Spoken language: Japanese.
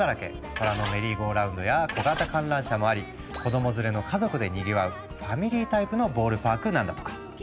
虎のメリーゴーラウンドや小型観覧車もあり子ども連れの家族でにぎわうファミリータイプのボールパークなんだとか。